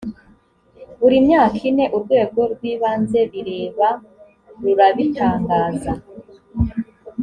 buri myaka ine urwego rw ibanze bireba rurabitangaza